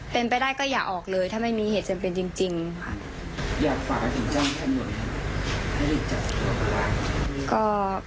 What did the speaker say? เป็นไปได้ก็อย่าออกเลยถ้าไม่มีเหตุจำเป็นจริงค่ะ